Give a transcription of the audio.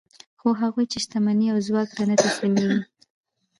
خو هغوی چې شتمنۍ او ځواک ته نه تسلیمېږي